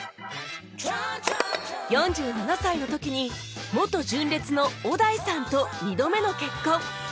４７歳の時に元純烈の小田井さんと２度目の結婚